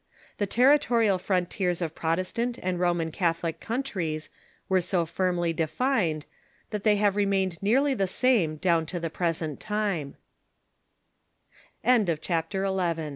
The territorial frontiers of Prot estant and Roman Catholic countries were so firmly defined that they have remained nearlj^ the same down to the present